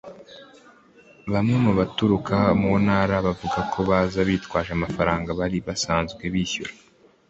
Bamwe mu baturuka mu ntara bavuga ko baza bitwaje amafaranga bari basanzwe bishyura